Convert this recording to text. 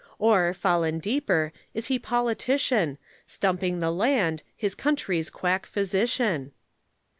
Or, fallen deeper, is he politician, Stumping the land, his country's quack physician?